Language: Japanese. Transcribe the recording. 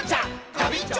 ガビンチョ！